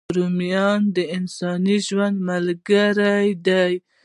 رومیان د انساني ژوند ملګري دي